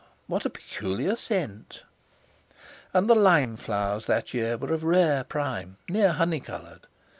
What a peculiar scent!" And the lime flowers that year were of rare prime, near honey coloured.